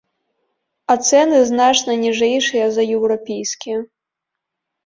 А цэны значна ніжэйшыя за еўрапейскія.